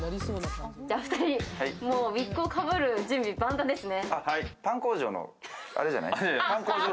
じゃ、お二人、ウィッグをかぶる準備万端ですね。